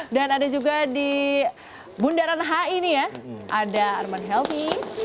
dan ada juga di bundaran h ini ya ada arman helvi